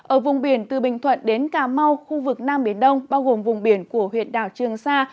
ở vùng biển từ bình thuận đến cà mau khu vực nam biển đông bao gồm vùng biển của huyện đảo trường sa